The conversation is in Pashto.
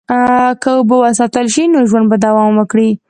که اوبه وساتل شي، نو ژوند به دوام وکړي.